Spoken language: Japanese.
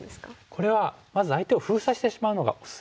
これはまず相手を封鎖してしまうのがおすすめです。